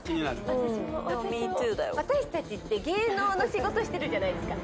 私も私も私たちって芸能の仕事してるじゃないですか